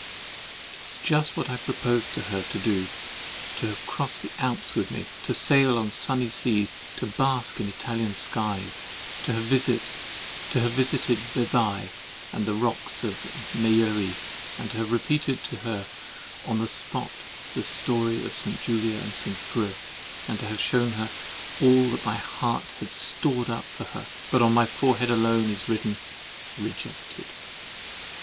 It is just what I proposed to her to do—to have crossed the Alps with me, to sail on sunny seas, to bask in Italian skies, to have visited Vevai and the rocks of Meillerie, and to have repeated to her on the spot the story of Julia and St. Preux, and to have shewn her all that my heart had stored up for her—but on my forehead alone is written—REJECTED!